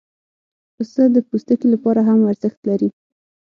پسه د پوستکي لپاره هم ارزښت لري.